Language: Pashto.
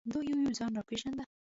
دوی یو یو ځان را پېژانده.